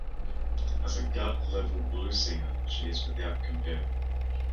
As a gut-level blues singer she is without compare.